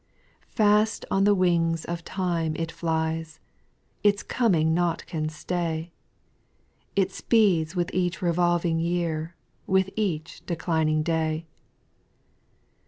2. Fast on the wings of time it flies, Its coming nought can stay : It speeds with each revolving year. With each declining day.